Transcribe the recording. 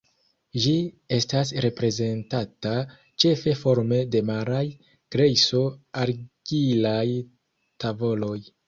Ĝi estas reprezentata ĉefe forme de maraj grejso-argilaj tavoloj.